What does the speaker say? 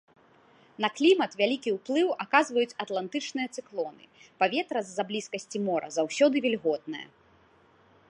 На клімат вялікі ўплыў аказваюць атлантычныя цыклоны, паветра з-за блізкасці мора заўсёды вільготнае.